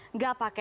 nggak pakai masker